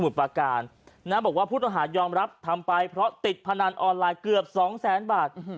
บอกว่าผู้ต่อหาดยอมรับทำไปเพราะติดพนันออนไลน์เกือบ๒๐๐๐๐๐บาท